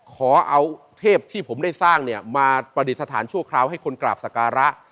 ขอเอาเทพที่ผมได้สร้างเนี่ยมาประดิษฐานชั่วคราวให้คนกราบสการะ